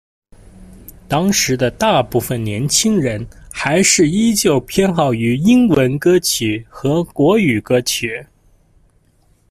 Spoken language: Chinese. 当时的大部份年轻人还是依旧偏好于英文歌曲和国语歌曲。